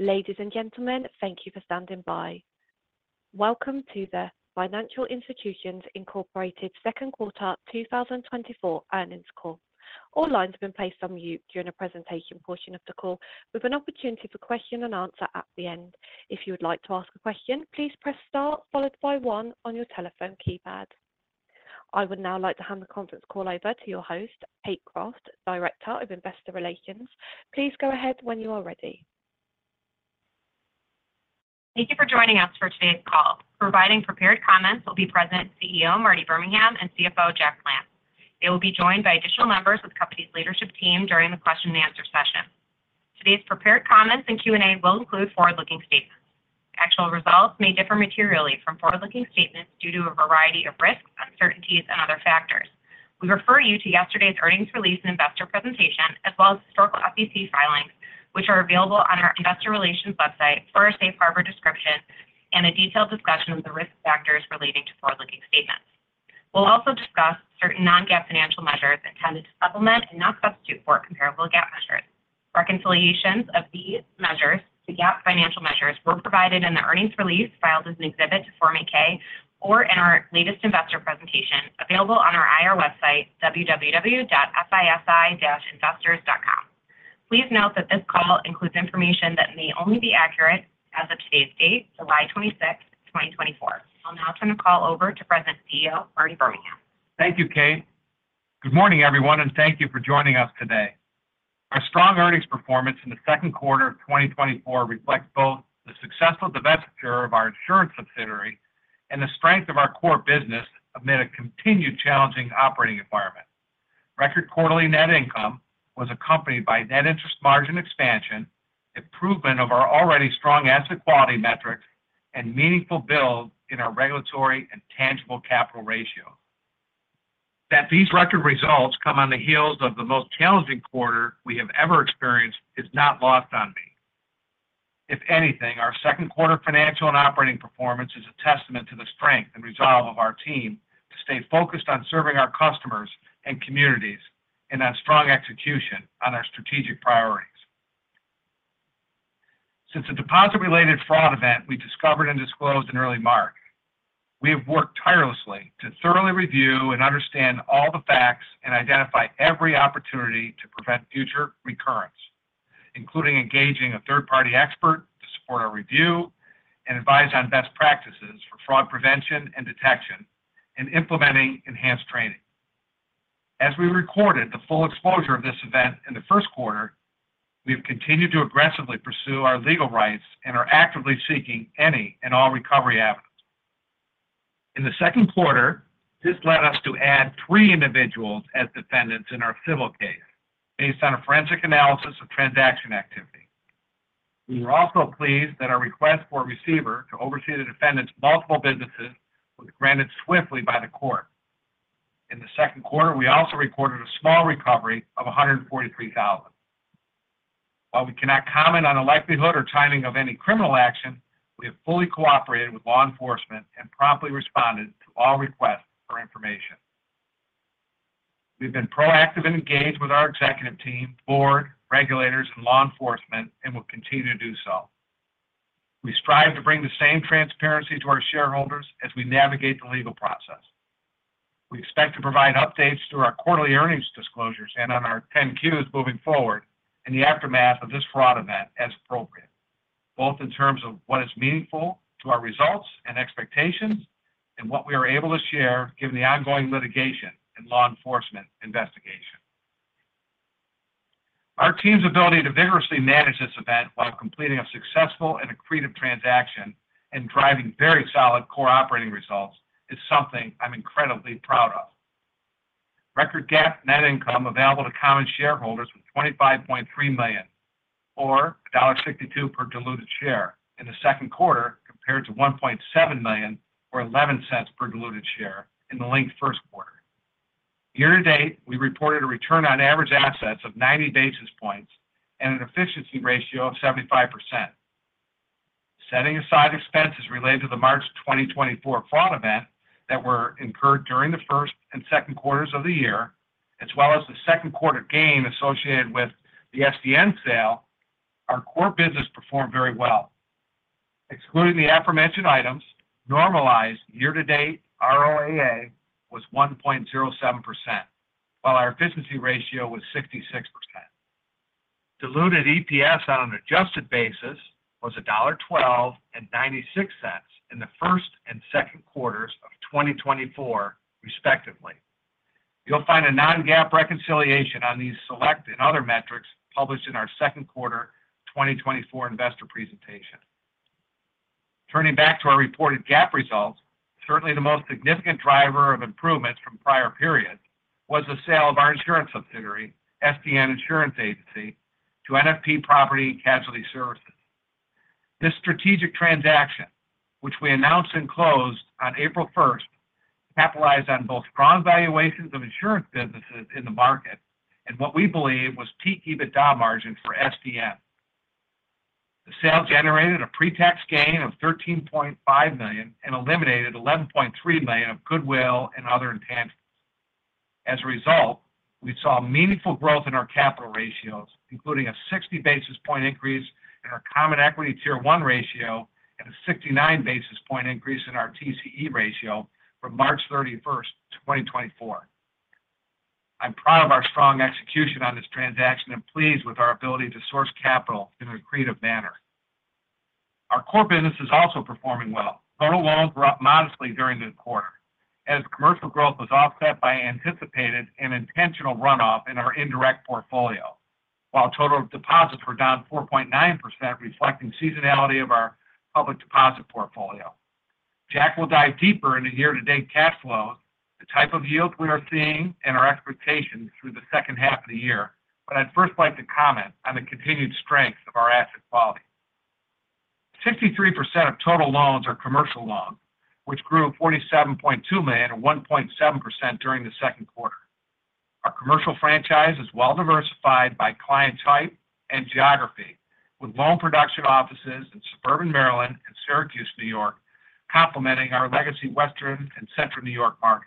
Ladies and gentlemen, thank you for standing by. Welcome to the Financial Institutions, Inc second quarter 2024 earnings call. All lines have been placed on mute during the presentation portion of the call, with an opportunity for question and answer at the end. If you would like to ask a question, please press star, followed by one on your telephone keypad. I would now like to hand the conference call over to your host, Kate Croft, Director of Investor Relations. Please go ahead when you are ready. Thank you for joining us for today's call. Providing prepared comments will be President and CEO, Marty Birmingham, and CFO, Jack Plants. They will be joined by additional members of the company's leadership team during the question-and-answer session. Today's prepared comments and Q&A will include forward-looking statements. Actual results may differ materially from forward-looking statements due to a variety of risks, uncertainties, and other factors. We refer you to yesterday's earnings release and investor presentation, as well as historical SEC filings, which are available on our Investor Relations website for a safe harbor description and a detailed discussion of the risk factors relating to forward-looking statements. We'll also discuss certain non-GAAP financial measures intended to supplement and not substitute for comparable GAAP measures. Reconciliations of these measures to GAAP financial measures were provided in the earnings release filed as an exhibit to Form 8-K or in our latest investor presentation available on our IR website, www.fisi-investors.com. Please note that this call includes information that may only be accurate as of today's date, July 26, 2024. I'll now turn the call over to President and CEO Marty Birmingham. Thank you, Kate. Good morning, everyone, and thank you for joining us today. Our strong earnings performance in the second quarter of 2024 reflects both the successful divestiture of our insurance subsidiary and the strength of our core business amid a continued challenging operating environment. Record quarterly net income was accompanied by net interest margin expansion, improvement of our already strong asset quality metrics, and meaningful build in our regulatory and tangible capital ratio. That these record results come on the heels of the most challenging quarter we have ever experienced is not lost on me. If anything, our second quarter financial and operating performance is a testament to the strength and resolve of our team to stay focused on serving our customers and communities and on strong execution on our strategic priorities. Since the deposit-related fraud event we discovered and disclosed in early March, we have worked tirelessly to thoroughly review and understand all the facts and identify every opportunity to prevent future recurrence, including engaging a third-party expert to support our review and advise on best practices for fraud prevention and detection and implementing enhanced training. As we recorded the full exposure of this event in the first quarter, we have continued to aggressively pursue our legal rights and are actively seeking any and all recovery avenues. In the second quarter, this led us to add three individuals as defendants in our civil case based on a forensic analysis of transaction activity. We are also pleased that our request for a receiver to oversee the defendant's multiple businesses was granted swiftly by the court. In the second quarter, we also recorded a small recovery of $143,000. While we cannot comment on the likelihood or timing of any criminal action, we have fully cooperated with law enforcement and promptly responded to all requests for information. We've been proactive and engaged with our executive team, board, regulators, and law enforcement, and will continue to do so. We strive to bring the same transparency to our shareholders as we navigate the legal process. We expect to provide updates to our quarterly earnings disclosures and on our 10-Qs moving forward in the aftermath of this fraud event as appropriate, both in terms of what is meaningful to our results and expectations and what we are able to share given the ongoing litigation and law enforcement investigation. Our team's ability to vigorously manage this event while completing a successful and accretive transaction and driving very solid core operating results is something I'm incredibly proud of. Record GAAP net income available to common shareholders was $25.3 million, or $1.62 per diluted share in the second quarter compared to $1.7 million, or $0.11 per diluted share in the linked first quarter. Year to date, we reported a return on average assets of 90 basis points and an efficiency ratio of 75%. Setting aside expenses related to the March 2024 fraud event that were incurred during the first and second quarters of the year, as well as the second quarter gain associated with the SDN sale, our core business performed very well. Excluding the aforementioned items, normalized year to date ROAA was 1.07%, while our efficiency ratio was 66%. Diluted EPS on an adjusted basis was $1.12 and $0.96 in the first and second quarters of 2024, respectively. You'll find a non-GAAP reconciliation on these select and other metrics published in our second quarter 2024 investor presentation. Turning back to our reported GAAP results, certainly the most significant driver of improvements from prior periods was the sale of our insurance subsidiary, SDN Insurance Agency, to NFP Property and Casualty Services. This strategic transaction, which we announced and closed on April 1st, capitalized on both strong valuations of insurance businesses in the market and what we believe was peak EBITDA margins for SDN. The sale generated a pre-tax gain of $13.5 million and eliminated $11.3 million of goodwill and other intangibles. As a result, we saw meaningful growth in our capital ratios, including a 60 basis point increase in our Common Equity Tier 1 ratio and a 69 basis point increase in our TCE ratio from March 31, 2024. I'm proud of our strong execution on this transaction and pleased with our ability to source capital in an accretive manner. Our core business is also performing well. Total loans were up modestly during the quarter, as commercial growth was offset by anticipated and intentional runoff in our indirect portfolio, while total deposits were down 4.9%, reflecting seasonality of our public deposit portfolio. Jack will dive deeper into year-to-date cash flows, the type of yield we are seeing, and our expectations through the second half of the year, but I'd first like to comment on the continued strength of our asset quality. 63% of total loans are commercial loans, which grew $47.2 million, or 1.7%, during the second quarter. Our commercial franchise is well diversified by client type and geography, with loan production offices in suburban Maryland and Syracuse, New York, complementing our legacy Western New York and Central New York markets.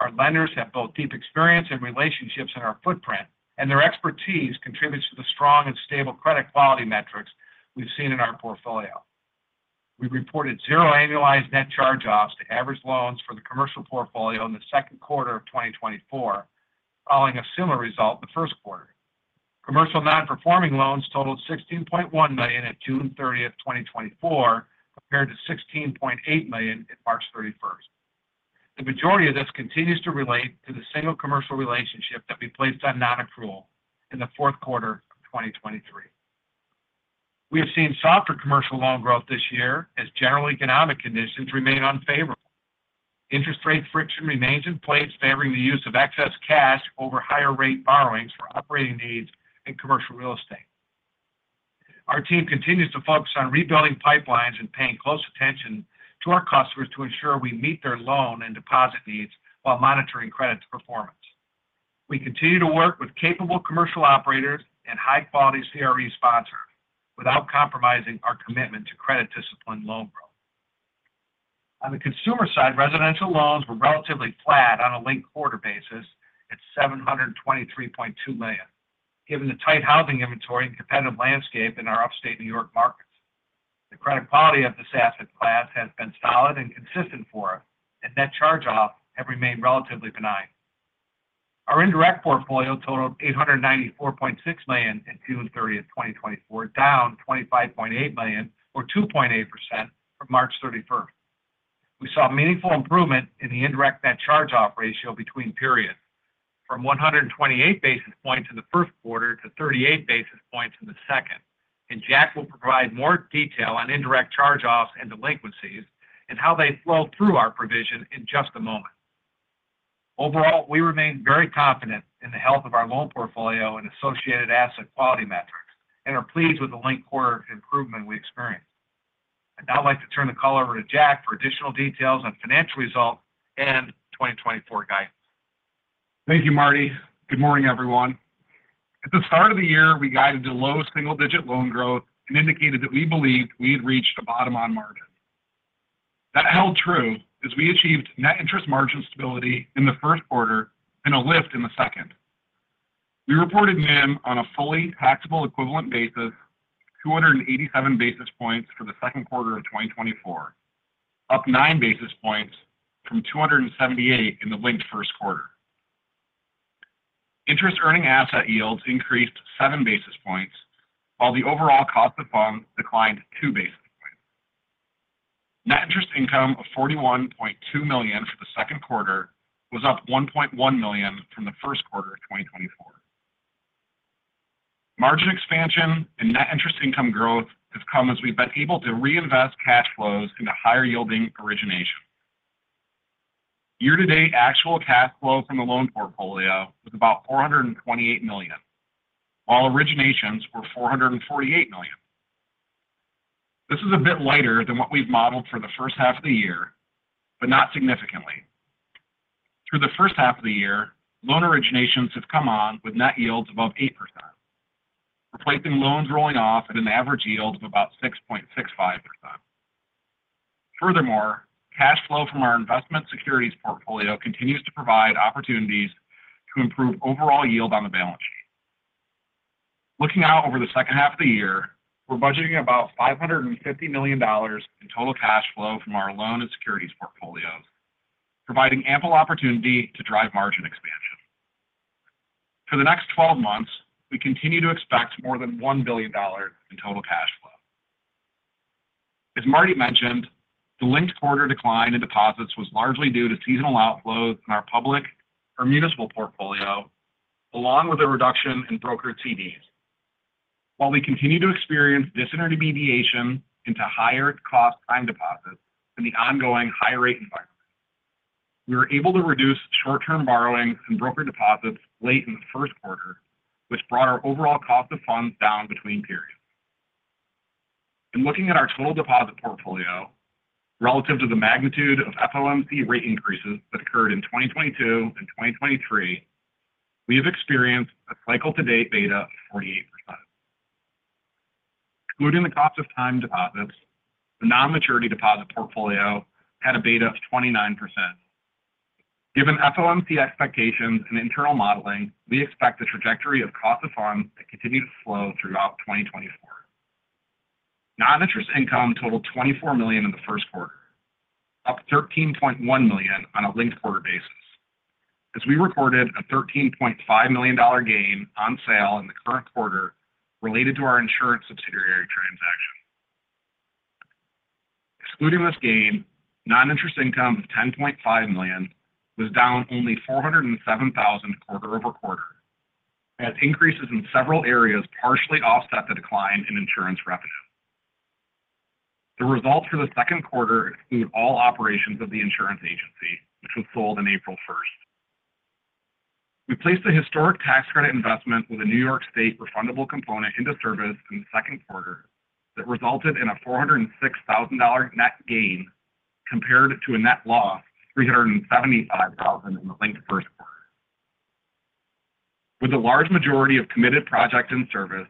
Our lenders have both deep experience and relationships in our footprint, and their expertise contributes to the strong and stable credit quality metrics we've seen in our portfolio. We reported zero annualized net charge-offs to average loans for the commercial portfolio in the second quarter of 2024, following a similar result in the first quarter. Commercial non-performing loans totaled $16.1 million at June 30, 2024, compared to $16.8 million at March 31. The majority of this continues to relate to the single commercial relationship that we placed on non-accrual in the fourth quarter of 2023. We have seen softer commercial loan growth this year as general economic conditions remain unfavorable. Interest rate friction remains in place, favoring the use of excess cash over higher-rate borrowings for operating needs and commercial real estate. Our team continues to focus on rebuilding pipelines and paying close attention to our customers to ensure we meet their loan and deposit needs while monitoring credit performance. We continue to work with capable commercial operators and high-quality CRE sponsors without compromising our commitment to credit-disciplined loan growth. On the consumer side, residential loans were relatively flat on a linked quarter basis at $723.2 million, given the tight housing inventory and competitive landscape in our Upstate New York markets. The credit quality of this asset class has been solid and consistent for us, and net charge-offs have remained relatively benign. Our indirect portfolio totaled $894.6 million at June 30, 2024, down $25.8 million, or 2.8%, from March 31. We saw meaningful improvement in the indirect net charge-off ratio between periods, from 128 basis points in the first quarter to 38 basis points in the second, and Jack will provide more detail on indirect charge-offs and delinquencies and how they flow through our provision in just a moment. Overall, we remain very confident in the health of our loan portfolio and associated asset quality metrics and are pleased with the linked quarter improvement we experienced. I'd now like to turn the call over to Jack for additional details on financial results and 2024 guidance. Thank you, Marty. Good morning, everyone. At the start of the year, we guided to low single-digit loan growth and indicated that we believed we had reached a bottom on margin. That held true as we achieved net interest margin stability in the first quarter and a lift in the second. We reported NIM on a fully taxable equivalent basis, 287 basis points for the second quarter of 2024, up 9 basis points from 278 in the linked first quarter. Interest-earning asset yields increased 7 basis points, while the overall cost of funds declined 2 basis points. Net interest income of $41.2 million for the second quarter was up $1.1 million from the first quarter of 2024. Margin expansion and net interest income growth have come as we've been able to reinvest cash flows into higher-yielding originations. Year-to-date actual cash flow from the loan portfolio was about $428 million, while originations were $448 million. This is a bit lighter than what we've modeled for the first half of the year, but not significantly. Through the first half of the year, loan originations have come on with net yields above 8%, replacing loans rolling off at an average yield of about 6.65%. Furthermore, cash flow from our investment securities portfolio continues to provide opportunities to improve overall yield on the balance sheet. Looking out over the second half of the year, we're budgeting about $550 million in total cash flow from our loan and securities portfolios, providing ample opportunity to drive margin expansion. For the next 12 months, we continue to expect more than $1 billion in total cash flow. As Marty mentioned, the linked quarter decline in deposits was largely due to seasonal outflows in our public or municipal portfolio, along with a reduction in brokered CDs. While we continue to experience disintermediation into higher-cost time deposits in the ongoing high-rate environment, we were able to reduce short-term borrowings and brokered deposits late in the first quarter, which brought our overall cost of funds down between periods. In looking at our total deposit portfolio relative to the magnitude of FOMC rate increases that occurred in 2022 and 2023, we have experienced a cycle-to-date beta of 48%. Excluding the cost of time deposits, the non-maturity deposit portfolio had a beta of 29%. Given FOMC expectations and internal modeling, we expect a trajectory of cost of funds that continues to flow throughout 2024. Non-interest income totaled $24 million in the first quarter, up $13.1 million on a linked-quarter basis, as we reported a $13.5 million gain on sale in the current quarter related to our insurance subsidiary transaction. Excluding this gain, non-interest income of $10.5 million was down only $407,000 quarter-over-quarter, as increases in several areas partially offset the decline in insurance revenue. The results for the second quarter include all operations of the insurance agency, which was sold on April 1. We placed a historic tax credit investment with a New York State refundable component into service in the second quarter that resulted in a $406,000 net gain compared to a net loss of $375,000 in the linked first quarter. With the large majority of committed projects in service,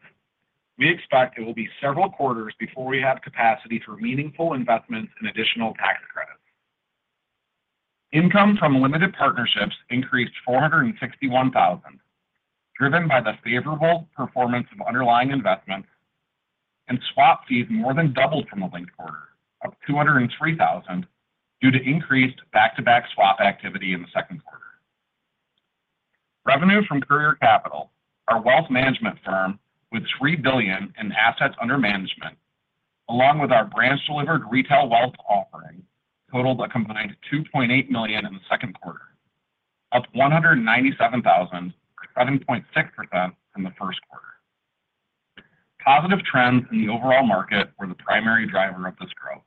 we expect it will be several quarters before we have capacity for meaningful investments in additional tax credits. Income from limited partnerships increased $461,000, driven by the favorable performance of underlying investments, and swap fees more than doubled from the linked quarter, up $203,000 due to increased back-to-back swap activity in the second quarter. Revenue from Courier Capital, our wealth management firm with $3 billion in assets under management, along with our branch-delivered retail wealth offering, totaled a combined $2.8 million in the second quarter, up $197,000 or 7.6% in the first quarter. Positive trends in the overall market were the primary driver of this growth.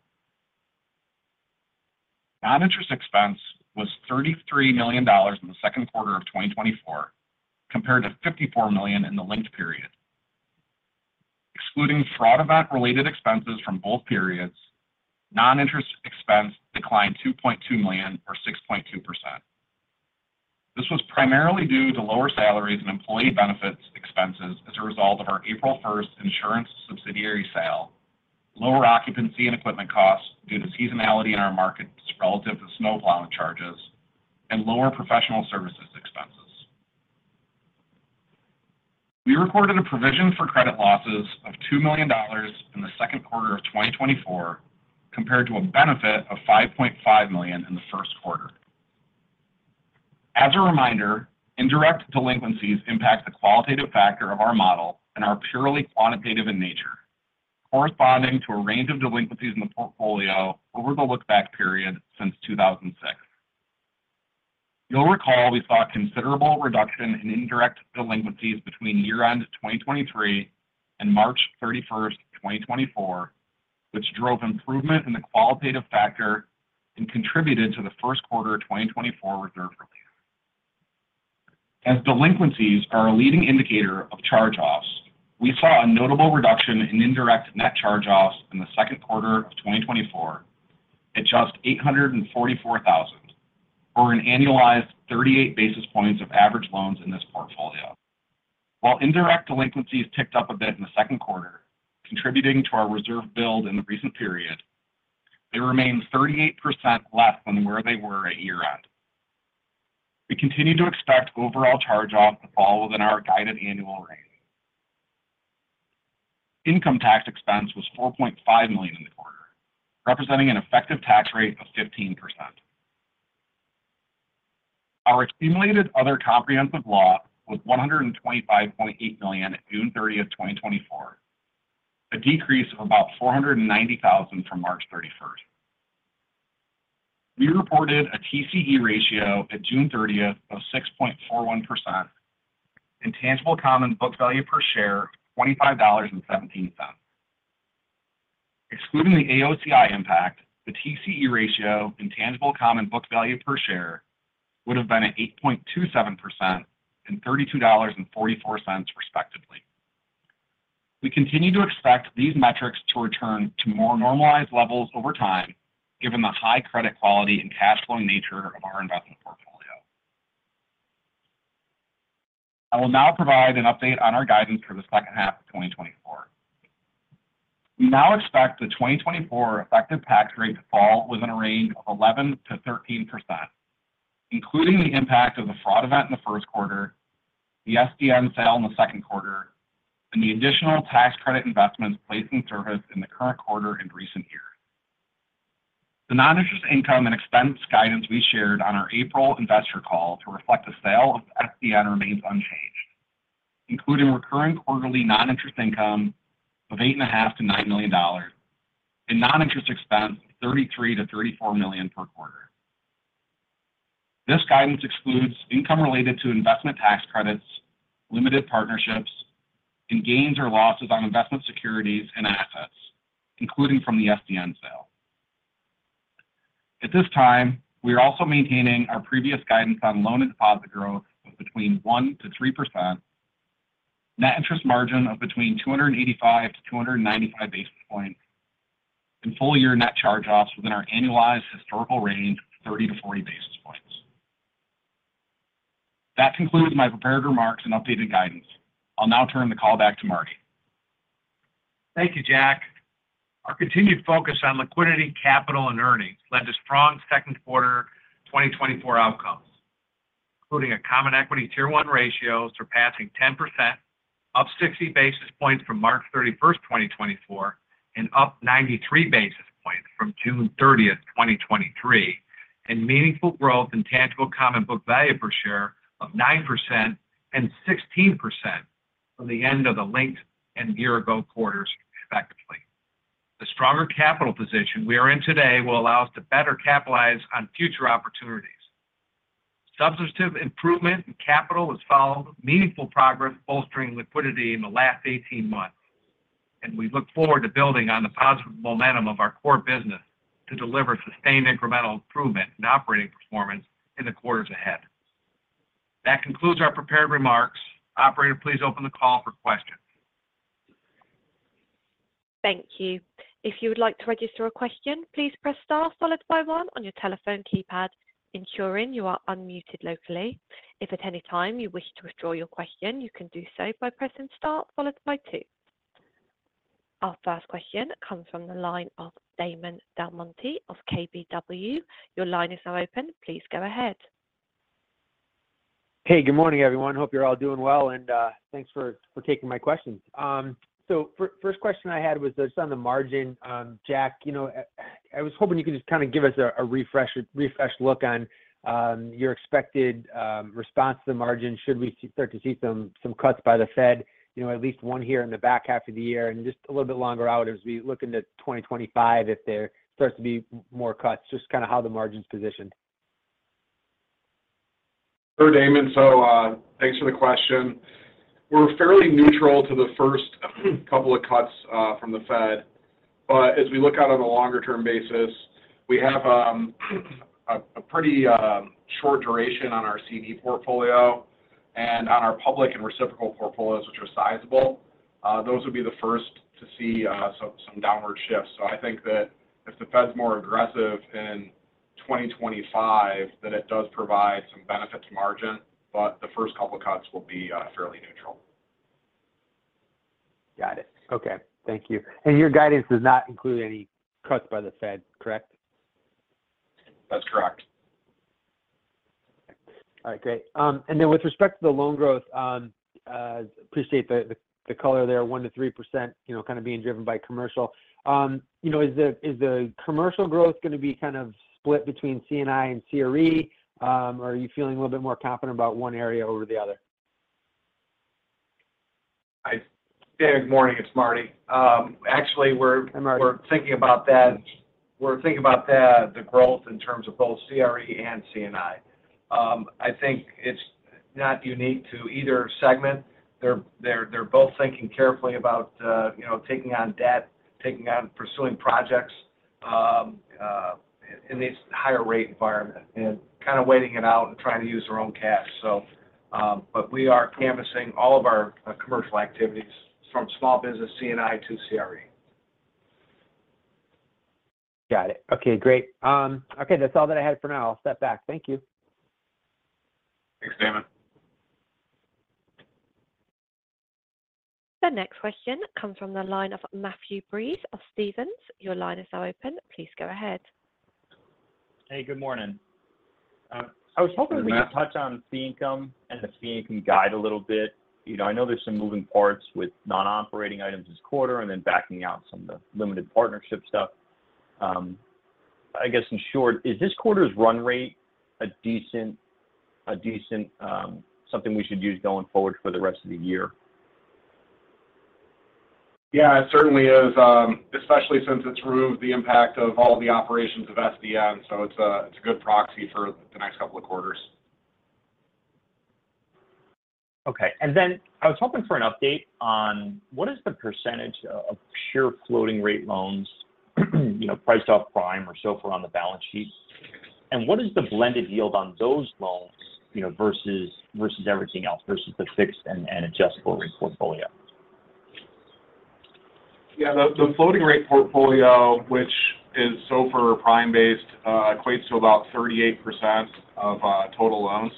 Non-interest expense was $33 million in the second quarter of 2024, compared to $54 million in the linked period. Excluding fraud event-related expenses from both periods, non-interest expense declined $2.2 million or 6.2%. This was primarily due to lower salaries and employee benefits expenses as a result of our April 1 insurance subsidiary sale, lower occupancy and equipment costs due to seasonality in our markets relative to snowplowing charges, and lower professional services expenses. We reported a provision for credit losses of $2 million in the second quarter of 2024, compared to a benefit of $5.5 million in the first quarter. As a reminder, indirect delinquencies impact the qualitative factor of our model and are purely quantitative in nature, corresponding to a range of delinquencies in the portfolio over the look-back period since 2006. You'll recall we saw a considerable reduction in indirect delinquencies between year-end 2023 and March 31, 2024, which drove improvement in the qualitative factor and contributed to the first quarter 2024 reserve release. As delinquencies are a leading indicator of charge-offs, we saw a notable reduction in indirect net charge-offs in the second quarter of 2024 at just $844,000, or an annualized 38 basis points of average loans in this portfolio. While indirect delinquencies ticked up a bit in the second quarter, contributing to our reserve build in the recent period, they remained 38% less than where they were at year-end. We continue to expect overall charge-offs to fall within our guided annual range. Income tax expense was $4.5 million in the quarter, representing an effective tax rate of 15%. Our accumulated other comprehensive loss was $125.8 million at June 30, 2024, a decrease of about $490,000 from March 31. We reported a TCE ratio at June 30 of 6.41%, and tangible common book value per share of $25.17. Excluding the AOCI impact, the TCE ratio and tangible common book value per share would have been at 8.27% and $32.44, respectively. We continue to expect these metrics to return to more normalized levels over time, given the high credit quality and cash-flowing nature of our investment portfolio. I will now provide an update on our guidance for the second half of 2024. We now expect the 2024 effective tax rate to fall within a range of 11%-13%, including the impact of the fraud event in the first quarter, the SDN sale in the second quarter, and the additional tax credit investments placed in service in the current quarter and recent years. The non-interest income and expense guidance we shared on our April investor call to reflect the sale of SDN remains unchanged, including recurring quarterly non-interest income of $8.5-$9 million and non-interest expense of $33-$34 million per quarter. This guidance excludes income related to investment tax credits, limited partnerships, and gains or losses on investment securities and assets, including from the SDN sale. At this time, we are also maintaining our previous guidance on loan and deposit growth of between 1%-3%, net interest margin of between 285-295 basis points, and full-year net charge-offs within our annualized historical range of 30-40 basis points. That concludes my prepared remarks and updated guidance. I'll now turn the call back to Marty. Thank you, Jack. Our continued focus on liquidity, capital, and earnings led to strong second quarter 2024 outcomes, including a Common Equity Tier 1 ratio surpassing 10%, up 60 basis points from March 31, 2024, and up 93 basis points from June 30, 2023, and meaningful growth in tangible common book value per share of 9% and 16% from the end of the linked and year-ago quarters, respectively. The stronger capital position we are in today will allow us to better capitalize on future opportunities. Substantive improvement in capital has followed meaningful progress bolstering liquidity in the last 18 months, and we look forward to building on the positive momentum of our core business to deliver sustained incremental improvement in operating performance in the quarters ahead. That concludes our prepared remarks. Operator, please open the call for questions. Thank you. If you would like to register a question, please press star followed by one on your telephone keypad, ensuring you are unmuted locally. If at any time you wish to withdraw your question, you can do so by pressing star followed by two. Our first question comes from the line of Damon DelMonte of KBW. Your line is now open. Please go ahead. Hey, good morning, everyone. Hope you're all doing well, and thanks for taking my questions. So first question I had was just on the margin. Jack, you know I was hoping you could just kind of give us a refreshed look on your expected response to the margin should we start to see some cuts by the Fed, you know at least one here in the back half of the year and just a little bit longer out as we look into 2025 if there starts to be more cuts, just kind of how the margin's positioned? Sure, Damon. So thanks for the question. We're fairly neutral to the first couple of cuts from the Fed, but as we look out on a longer-term basis, we have a pretty short duration on our CD portfolio and on our public and reciprocal portfolios, which are sizable. Those would be the first to see some downward shifts. So I think that if the Fed's more aggressive in 2025, then it does provide some benefit to margin, but the first couple of cuts will be fairly neutral. Got it. Okay. Thank you. Your guidance does not include any cuts by the Fed, correct? That's correct. All right. Great. And then with respect to the loan growth, I appreciate the color there, 1%-3%, you know kind of being driven by commercial. You know is the commercial growth going to be kind of split between C&I and CRE, or are you feeling a little bit more confident about one area over the other? Hey, good morning. It's Marty. Actually, we're thinking about that. We're thinking about the growth in terms of both CRE and C&I. I think it's not unique to either segment. They're both thinking carefully about taking on debt, taking on pursuing projects in this higher-rate environment and kind of waiting it out and trying to use their own cash. But we are canvassing all of our commercial activities from small business C&I to CRE. Got it. Okay. Great. Okay. That's all that I had for now. I'll step back. Thank you. Thanks, Damon. The next question comes from the line of Matthew Breese of Stephens. Your line is now open. Please go ahead. Hey, good morning. I was hoping we could touch on fee income and the fee income guide a little bit. You know I know there's some moving parts with non-operating items this quarter and then backing out some of the limited partnership stuff. I guess in short, is this quarter's run rate a decent something we should use going forward for the rest of the year? Yeah, it certainly is, especially since it's removed the impact of all the operations of SDN. So it's a good proxy for the next couple of quarters. Okay. And then I was hoping for an update on what is the percentage of pure floating-rate loans priced off Prime or SOFR on the balance sheet? And what is the blended yield on those loans versus everything else versus the fixed and adjustable-rate portfolio? Yeah, the floating-rate portfolio, which is SOFR Prime-based, equates to about 38% of total loans.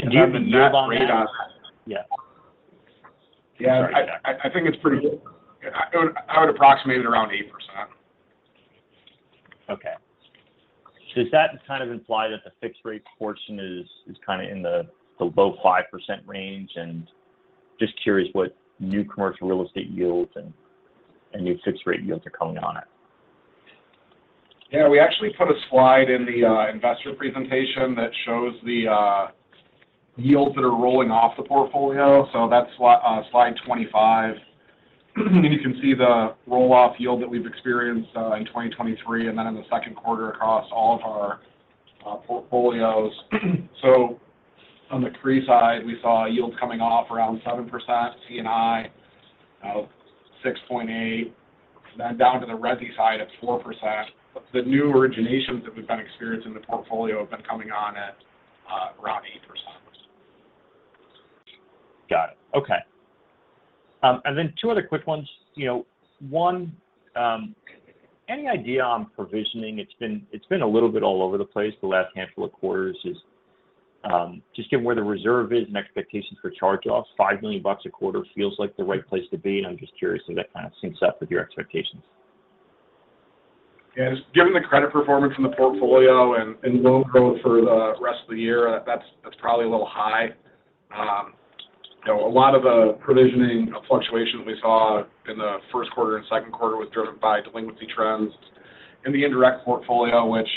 Do you have a net rate on? Yeah. Yeah, I think it's pretty good. I would approximate it around 8%. Okay. Does that kind of imply that the fixed-rate portion is kind of in the low 5% range? Just curious what new commercial real estate yields and new fixed-rate yields are coming on it? Yeah, we actually put a slide in the investor presentation that shows the yields that are rolling off the portfolio. So that's slide 25. And you can see the roll-off yield that we've experienced in 2023 and then in the second quarter across all of our portfolios. So on the CRE side, we saw yields coming off around 7%, C&I 6.8%, then down to the resi side at 4%. The new originations that we've been experiencing in the portfolio have been coming on at around 8%. Got it. Okay. And then two other quick ones. One, any idea on provisioning? It's been a little bit all over the place the last handful of quarters. Just given where the reserve is and expectations for charge-offs, $5 million a quarter feels like the right place to be. And I'm just curious if that kind of syncs up with your expectations. Yeah, just given the credit performance in the portfolio and loan growth for the rest of the year, that's probably a little high. A lot of the provisioning fluctuation that we saw in the first quarter and second quarter was driven by delinquency trends in the indirect portfolio, which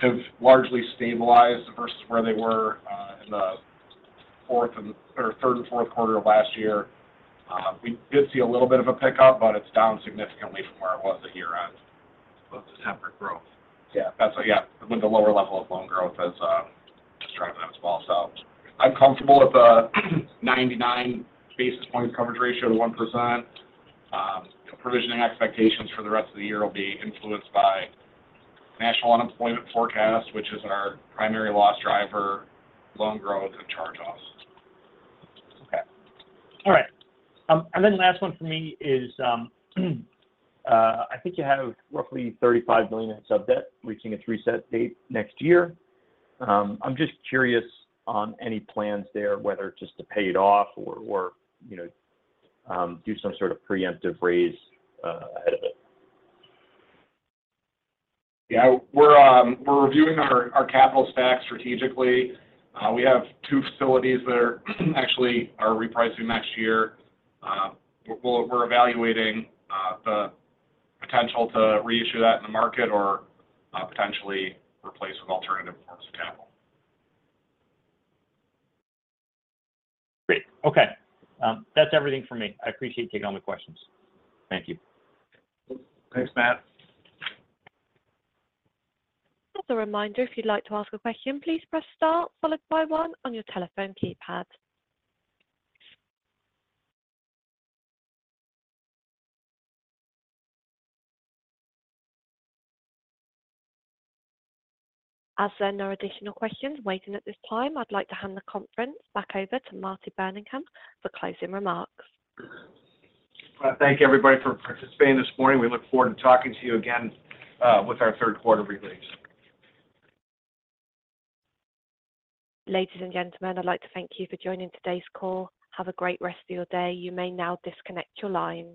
have largely stabilized versus where they were in the third and fourth quarter of last year. We did see a little bit of a pickup, but it's down significantly from where it was at year-end. Of the temperate growth. Yeah, that's with the lower level of loan growth as just driving that small cell. I'm comfortable with a 99 basis point coverage ratio to 1%. Provisioning expectations for the rest of the year will be influenced by national unemployment forecast, which is our primary loss driver, loan growth, and charge-offs. Okay. All right. And then the last one for me is I think you have roughly $35 million in sub-debt reaching its reset date next year. I'm just curious on any plans there, whether it's just to pay it off or do some sort of preemptive raise ahead of it. Yeah, we're reviewing our capital stack strategically. We have two facilities that are actually repricing next year. We're evaluating the potential to reissue that in the market or potentially replace with alternative forms of capital. Great. Okay. That's everything for me. I appreciate taking all my questions. Thank you. Thanks, Matt. As a reminder, if you'd like to ask a question, please press star followed by one on your telephone keypad. As there are no additional questions waiting at this time, I'd like to hand the conference back over to Marty Birmingham for closing remarks. Thank you, everybody, for participating this morning. We look forward to talking to you again with our third quarter release. Ladies and gentlemen, I'd like to thank you for joining today's call. Have a great rest of your day. You may now disconnect your line.